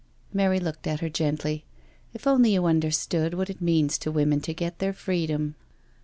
Mary looked at her gently. " If only you understood what it means to women to get their freedom."